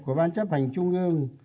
của ban chấp hành trung ương